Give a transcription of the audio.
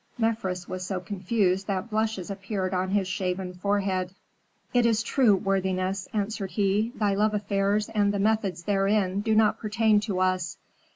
Mefres was so confused that blushes appeared on his shaven forehead. "It is true, worthiness," answered he, "thy love affairs and the methods therein do not pertain to us.